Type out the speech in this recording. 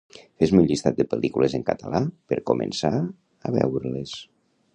Fes-me un llistat de pel·lícules en català per començar a veure-les